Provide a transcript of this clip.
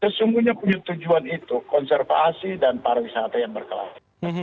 sesungguhnya punya tujuan itu konservasi dan pariwisata yang berkelanjutan